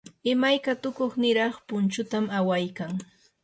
imayka tukuy niraq punchutam awaykan.